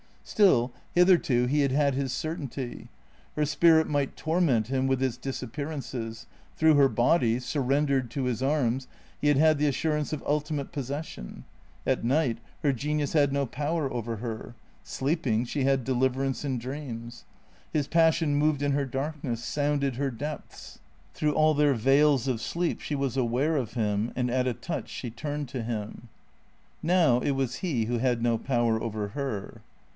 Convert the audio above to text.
Still, hitherto he had had his certainty. Her spirit might torment him with its disappearances ; through her body, sur rendered to his arms, he had had the assurance of ultimate pos session. At night her genius had no power over her. Sleep ing, she had deliverance in dreams. His passion moved in her darkness, sounded her depths ; through all their veils of sleep she was aware of him, and at a touch she turned to him. Now it was he who had no power over her.